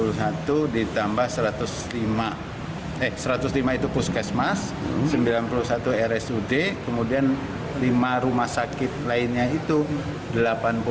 rp sembilan puluh ditambah rp satu ratus lima itu puskesmas rp sembilan puluh satu rsud kemudian lima rumah sakit lainnya itu rp delapan puluh delapan